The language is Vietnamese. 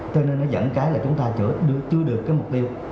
cho nên nó dẫn cái là chúng ta chưa được cái mục tiêu